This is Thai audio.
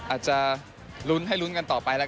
อาจจะลุ้นให้ลุ้นกันต่อไปแล้วกัน